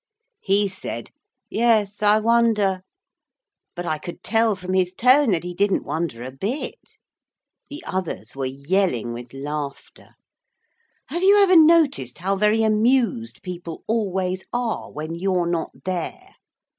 He said, 'Yes, I wonder'; but I could tell from his tone that he did not wonder a bit. The others were yelling with laughter. Have you ever noticed how very amused people always are when you're not there?